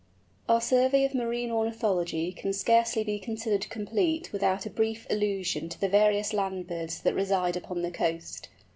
_ Our survey of marine ornithology can scarcely be considered complete without a brief allusion to the various land birds that reside upon the coast.